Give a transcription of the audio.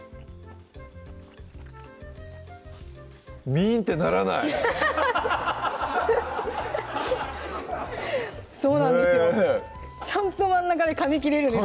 ミーンってならないそうなんですよちゃんと真ん中でかみ切れるんですよ